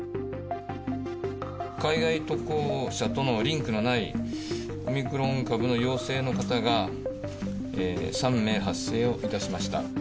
海外渡航者とのリンクのないオミクロン株の陽性の方が３名発生をいたしました。